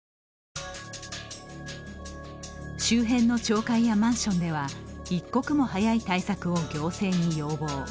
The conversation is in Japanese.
周辺の町会やマンションでは一刻も早い対策を行政に要望。